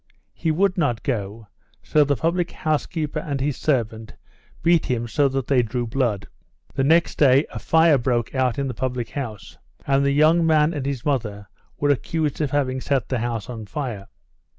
He would not go, so the public house keeper and his servant beat him so that they drew blood. The next day a fire broke out in the public house, and the young man and his mother were accused of having set the house on fire.